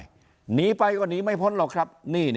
หนีไปก็หนีไม่พ้นหรอกครับ